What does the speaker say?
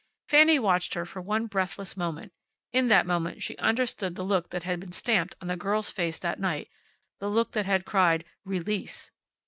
Fanny watched her for one breathless moment. In that moment she understood the look that had been stamped on the girl's face that night; the look that had cried: "Release!"